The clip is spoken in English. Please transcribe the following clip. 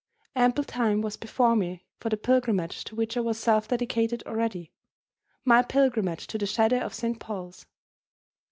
Ample time was before me for the pilgrimage to which I was self dedicated already my pilgrimage to the shadow of Saint Paul's.